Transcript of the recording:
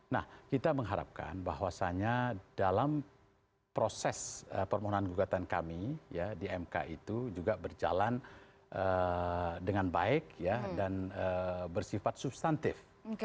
nah kita mengharapkan bahwasannya dalam proses permohonan gugatan kami ya di mk itu juga berjalan dengan baik dan bersifat substantif